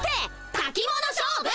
たき物勝負！